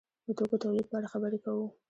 د توکو تولید په اړه خبرې کوو.